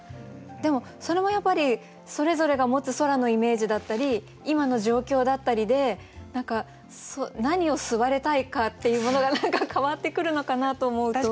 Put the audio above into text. でもそれもやっぱりそれぞれが持つ空のイメージだったり今の状況だったりで何を吸われたいかっていうものが変わってくるのかなと思うと。